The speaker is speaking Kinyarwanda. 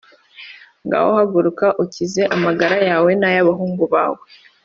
Ngaho haguruka ukize amagara yawe nayaba hungu bawe